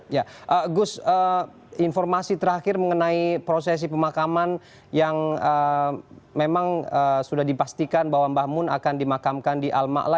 ya gus informasi terakhir mengenai prosesi pemakaman yang memang sudah dipastikan bahwa mbah moon akan dimakamkan di al ma'la